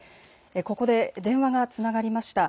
ここで電話がつながりました。